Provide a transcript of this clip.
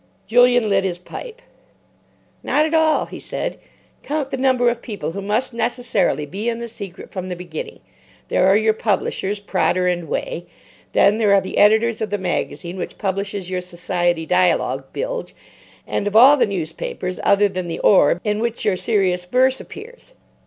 Julian lit his pipe. "Not at all," he said. "Count the number of people who must necessarily be in the secret from the beginning. There are your publishers, Prodder and Way. Then there are the editors of the magazine which publishes your Society dialogue bilge, and of all the newspapers, other than the Orb, in which your serious verse appears.